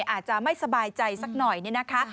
อาจจะไม่สบายใจสักหน่อยเนี่ยนะคะ